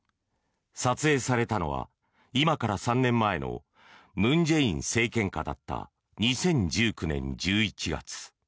撮影されたのは今から３年前の文在寅政権下だった２０１９年１１月。